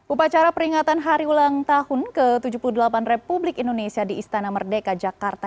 upacara peringatan hari ulang tahun ke tujuh puluh delapan republik indonesia di istana merdeka jakarta